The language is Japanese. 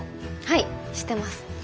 はい知ってます。